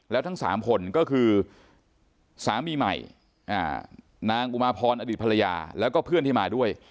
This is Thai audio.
แล้วทั้ง๓คนก็คือสามีใหม่นางอุมาพรอดีตภรรยาแล้วก็เพื่อนที่มาด้วย